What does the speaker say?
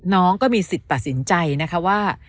น้องก็มีสิทธิ์ตัดสินใจนะคะว่า